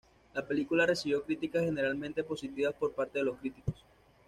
La película recibió críticas generalmente positivas por parte de los críticos.